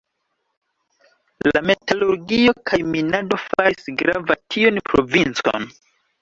La metalurgio kaj minado faris grava tiun provincon.